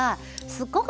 すごく。